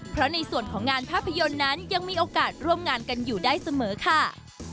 เพราะในส่วนของงานภาพยนตร์นั้นยังมีโอกาสร่วมงานกันอยู่ได้เสมอค่ะ